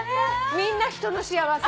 みんな人の幸せ。